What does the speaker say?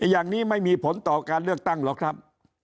อย่างนี้ไม่มีผลต่อการเลือกตั้งหรอกครับ